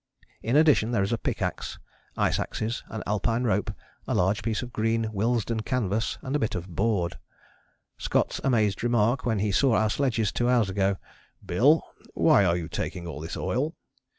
In addition there is a pickaxe, ice axes, an Alpine rope, a large piece of green Willesden canvas and a bit of board. Scott's amazed remark when he saw our sledges two hours ago, "Bill, why are you taking all this oil?"